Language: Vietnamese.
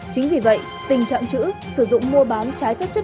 chính vì vậy tình trạng chữ sử dụng mua bán trái phép chất